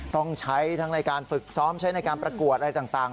ต้องใช้ทั้งในการฝึกซ้อมใช้ในการประกวดอะไรต่าง